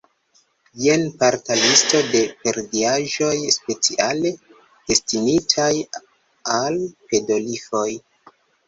Jen parta listo de periodaĵoj speciale destinitaj al pedofiloj.